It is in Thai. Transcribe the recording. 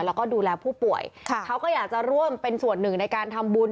แล้วก็ดูแลผู้ป่วยเขาก็อยากจะร่วมเป็นส่วนหนึ่งในการทำบุญ